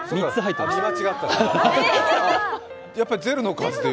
あ、見間違った。